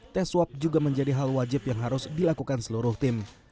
tes swab juga menjadi hal wajib yang harus dilakukan seluruh tim